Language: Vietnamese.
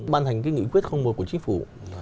ban thành cái nghị quyết một của chính phủ